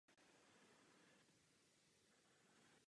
Barvami univerzity jsou červená a žlutá.